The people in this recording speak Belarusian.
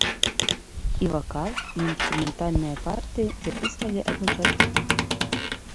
І вакал, і інструментальныя партыі запісвалі адначасова.